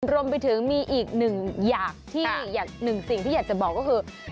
รวมไปถึงมีอีกหนึ่งอย่างที่หนึ่งสิ่งที่อยากจะบอกก็คือ